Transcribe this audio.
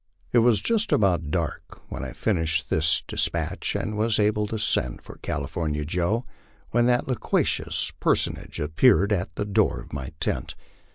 It was just about dark when I finished this despatch and was about to send for California Joe, when that loquacious personage appeared at the door of my tent.